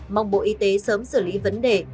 mong bộ y tế sớm xử lý vấn đề